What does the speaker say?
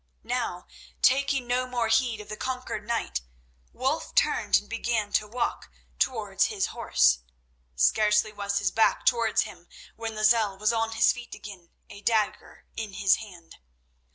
Now, taking no more heed of the conquered knight, Wulf turned and began to walk towards his horse. Scarcely was his back towards him when Lozelle was on his feet again, a dagger in his hand.